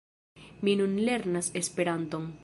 Mi nun lernas Esperanton.